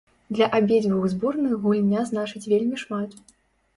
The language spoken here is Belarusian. Для абедзвюх зборных гульня значыць вельмі шмат.